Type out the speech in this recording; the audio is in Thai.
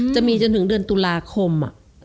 จะมีจนถึงเดือนตุลาคม